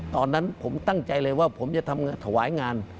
ตอนนั้นผมตั้งใจเลยว่าผมจะทำถวายงาน